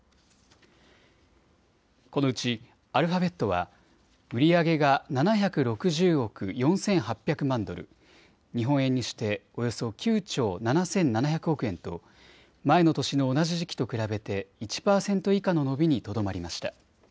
このうちアルファベットは売り上げが７６０億４８００万ドル、日本円にしておよそ９兆７７００億円と前の年の同じ時期と比べて１％以下の伸びにとどまりました。